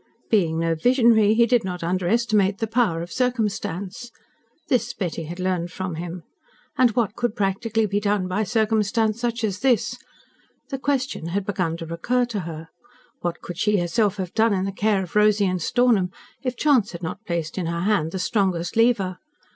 Being no visionary, he did not underestimate the power of circumstance. This Betty had learned from him. And what could practically be done with circumstance such as this? The question had begun to recur to her. What could she herself have done in the care of Rosy and Stornham, if chance had not placed in her hand the strongest lever?